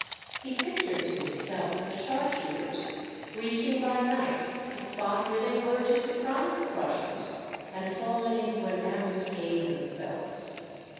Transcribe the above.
He pictured to himself the sharp shooters, reaching by night the spot where they were to surprise the Prussians and falling into an ambuscade themselves.